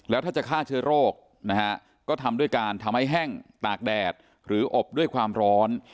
แล้วถ้าจะฆ่าเชื้อโรคนะฮะก็ทำด้วยการทำให้แห้งตากแดดหรืออบด้วยความร้อน